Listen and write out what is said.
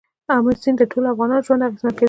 آمو سیند د ټولو افغانانو ژوند اغېزمن کوي.